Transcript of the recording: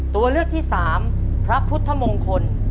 ตัวเลือกที่สามพระพุทธมงคล